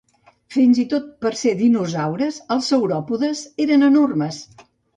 Fins i tot per ser dinosaures, els sauròpodes eren enormes.